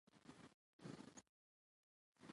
ازادي راډیو د ټولنیز بدلون په اړه د مجلو مقالو خلاصه کړې.